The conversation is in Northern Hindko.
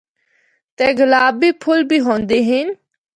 تے گلابی پُھل بھی ہوندے ہن۔